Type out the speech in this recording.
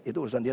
itu urusan dia